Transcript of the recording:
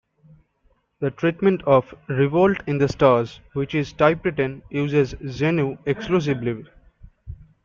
The treatment of "Revolt in the Stars"-which is typewritten-uses "Xenu" exclusively.